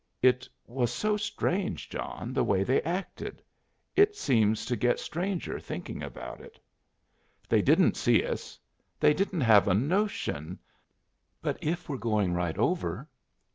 "It was so strange, John, the way they acted. It seems to get stranger, thinking about it." "They didn't see us. They didn't have a notion " "But if we're going right over?"